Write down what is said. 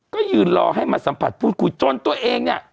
ก็ยืนรอให้มาสัมผัสพูดคุยจนตัวเองเนี่ย